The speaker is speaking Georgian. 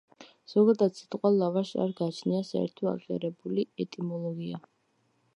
ზოგადად სიტყვა „ლავაშს“ არ გააჩნია საერთო აღიარებული ეტიმოლოგია.